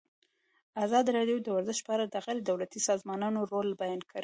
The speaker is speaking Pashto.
ازادي راډیو د ورزش په اړه د غیر دولتي سازمانونو رول بیان کړی.